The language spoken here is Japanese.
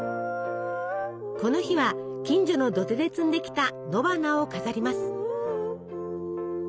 この日は近所の土手で摘んできた野花を飾ります。